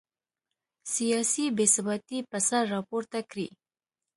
سیاسي بې ثباتي به سر راپورته کړي.